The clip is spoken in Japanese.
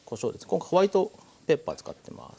今回ホワイトペッパー使ってます。